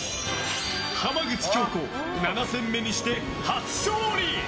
浜口京子、７戦目にして初勝利。